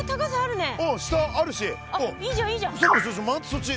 そっち。